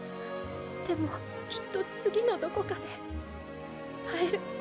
でもきっと次のどこかで会える。